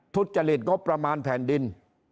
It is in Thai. ทุจริตงบประมาณแผ่นดิน